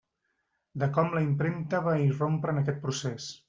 De com la impremta va irrompre en aquest procés.